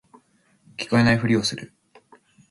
聞こえないふりをする